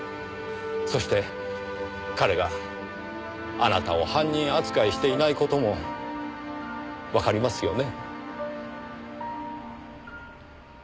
そして彼があなたを犯人扱いしていない事もわかりますよね？